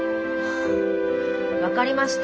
分かりました。